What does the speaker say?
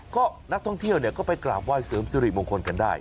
ก็นักท่องเที่ยวก็ไปกราบไห้เสริมสิริมงคลกันได้